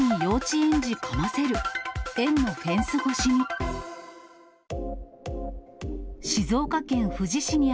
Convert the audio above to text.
園のフェンス越しに。